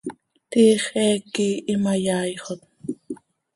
Tiix eec quih imayaaixot.